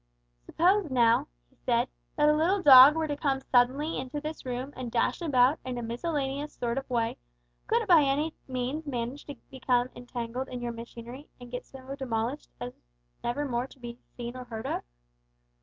"Suppose, now," he said, "that a little dog were to come suddenly into this room and dash about in a miscellaneous sort of way, could it by any means manage to become entangled in your machinery and get so demolished as never more to be seen or heard of?"